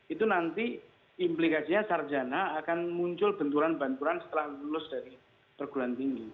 itu nanti implikasinya sarjana akan muncul benturan benturan setelah lulus dari perguruan tinggi